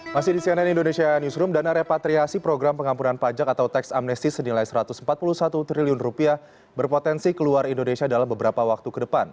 masih di cnn indonesia newsroom dana repatriasi program pengampunan pajak atau tax amnesty senilai rp satu ratus empat puluh satu triliun berpotensi keluar indonesia dalam beberapa waktu ke depan